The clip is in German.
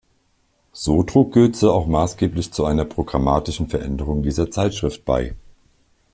So trug Goeze auch maßgeblich zu einer programmatischen Veränderung dieser Zeitschrift bei.